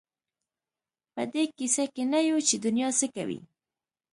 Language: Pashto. په دې کيسه کې نه یو چې دنیا څه کوي.